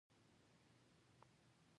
لومړۍ سطح عمره ده.